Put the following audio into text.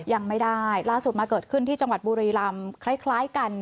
ยังไม่ได้ล่าสุดมาเกิดขึ้นที่จังหวัดบุรีรำคล้ายกัน